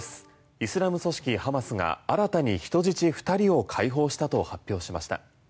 イスラム組織ハマスが新たに人質２人を解放したと発表しました。